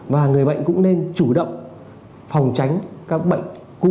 và người bệnh cũng nên chủ động phòng tránh các bệnh